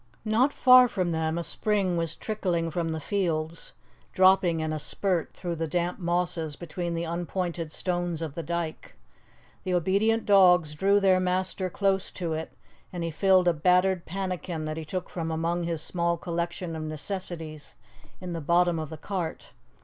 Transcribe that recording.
Not far from them a spring was trickling from the fields, dropping in a spurt through the damp mosses between the unpointed stones of the dyke. The obedient dogs drew their master close to it, and he filled a battered pannikin that he took from among his small collection of necessities in the bottom of the cart.